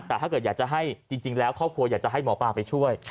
แต่ถ้าเกิดอยากจะให้จริงแล้วครอบครัวอยากจะให้หมอปลาไปช่วย